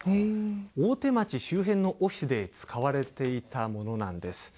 大手町周辺のオフィスで使われていたものなんです。